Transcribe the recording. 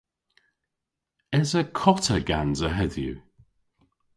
Esa kota gansa hedhyw?